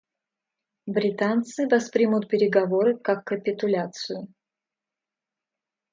Британцы воспримут переговоры как капитуляцию.